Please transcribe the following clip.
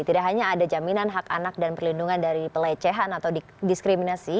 tidak hanya ada jaminan hak anak dan perlindungan dari pelecehan atau diskriminasi